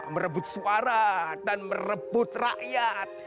merebut suara dan merebut rakyat